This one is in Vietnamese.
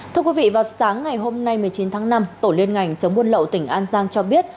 thưa quý vị vào sáng ngày hôm nay một mươi chín tháng năm tổ liên ngành chống buôn lậu tỉnh an giang cho biết